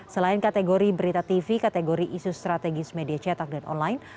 selain kategori berita tv kategori isu strategis media cetak dan online